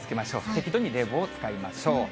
適度に冷房を使いましょう。